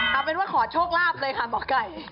เอาเป็นว่าขอโชคลาภเลยค่ะหมอไก่